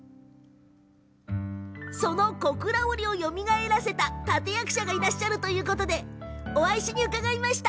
その小倉織をよみがえらせた立て役者がいらっしゃるということでお会いしに伺いました。